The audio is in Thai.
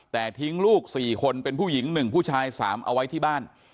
แต่ทิ้งลูก๔คนเป็นผู้หญิง๑ผู้ชาย๓เอาไว้ที่บ้าน